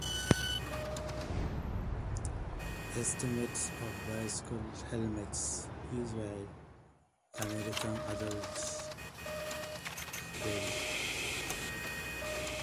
Estimates of bicycle-helmet use by American adults vary.